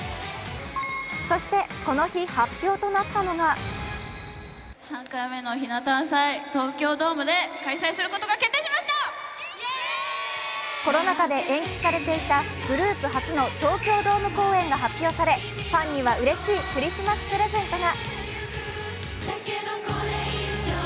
そしてこの日発表となったのがコロナ禍で延期されていたグループ初の東京ドーム公演が発表されファンにはうれしいクリスマスプレゼントが。